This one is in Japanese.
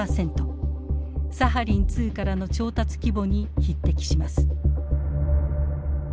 サハリン２からの調達規模に匹敵します。